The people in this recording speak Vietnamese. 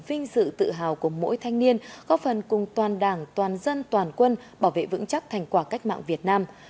công an nhân dân còn là niềm vinh sự tự hào của mỗi thanh niên góp phần cùng toàn đảng toàn dân toàn quân bảo vệ vững chắc thành quả cách mạng việt nam